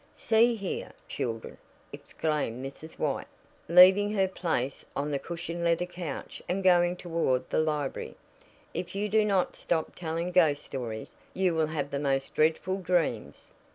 "See here, children," exclaimed Mrs. White, leaving her place on the cushioned leather couch and going toward the library, "if you do not stop telling ghost stories you will have the most dreadful dreams."